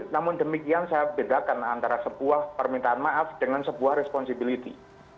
namun demikian saya bedakan antara sebuah permintaan maaf dengan sebuah responsibility